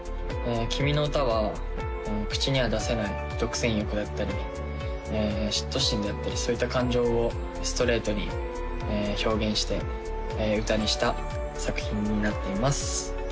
「きみのうた」は口には出せない独占欲だったり嫉妬心であったりそういった感情をストレートに表現して歌にした作品になっています